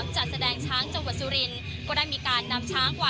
เชิญค่ะ